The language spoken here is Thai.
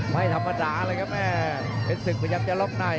ไม่ธรรมดาเลยครับแม่เพชรศึกพยายามจะล็อกใน